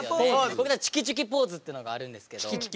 僕たち「ちゅきちゅきポーズ」っていうのがあるんですけど。